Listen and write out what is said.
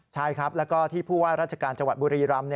ใช่ครับแล้วก็ที่ผู้ว่าราชการจังหวัดบุรีรำ